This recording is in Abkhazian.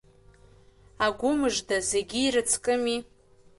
Агәы мыжда зегьы ирыцкыми?